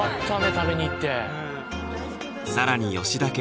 食べに行って更に吉田家